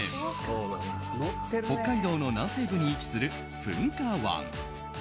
北海道の南西部に位置する噴火湾。